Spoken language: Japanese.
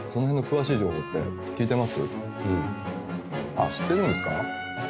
あっ知ってるんですか？